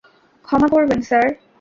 ক্ষমা করবেন, স্যার।